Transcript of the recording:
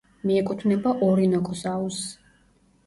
მიეკუთვნება ორინოკოს აუზს.